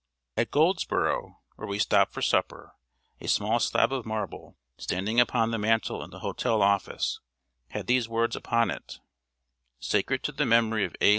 At Goldsboro, where we stopped for supper, a small slab of marble, standing upon the mantel in the hotel office, had these words upon it: "Sacred to the memory of A.